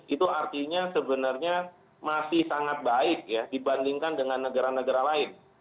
itu artinya sebenarnya masih sangat baik ya dibandingkan dengan negara negara lain